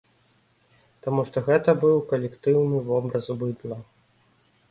Таму што гэта быў калектыўны вобраз быдла.